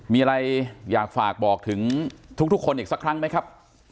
มีอะไรอยากฝากบอกถึงทุกคนอีกสักครั้งไหมครับ